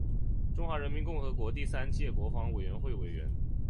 中华人民共和国第三届国防委员会委员。